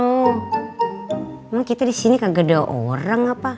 emang kita disini kagak ada orang apa